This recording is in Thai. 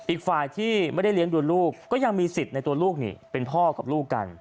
อีกฝ่ายที่ไม่ได้เลี้ยงดูลูกก็ยังมีสิทธิ์ในตัวลูกนี่เป็นพ่อกับลูกกัน